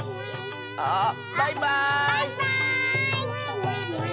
あっバイバーイ！